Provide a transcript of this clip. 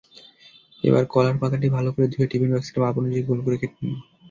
এবার কলার পাতাটি ভালো করে ধুয়ে টিফিন বাক্সের মাপ অনুযায়ী গোল করে কেটে নিন।